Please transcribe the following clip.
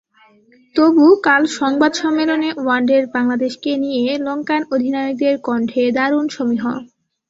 তবু কাল সংবাদ সম্মেলনে ওয়ানডের বাংলাদেশকে নিয়ে লঙ্কান অধিনায়কের কণ্ঠে দারুণ সমীহ।